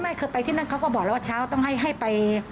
เคยไปที่นั่นเขาก็บอกแล้วว่าเช้าต้องให้ไป